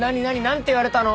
何て言われたの？